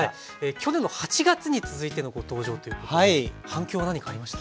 去年の８月に続いてのご登場ということで反響は何かありました？